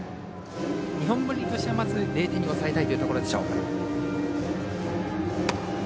日本文理としてはまず０点に抑えたいところでしょう。